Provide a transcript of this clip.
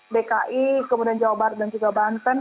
dki kemudian jawa barat dan juga banten